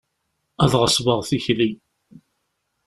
Ad ɣesbeɣ tikli.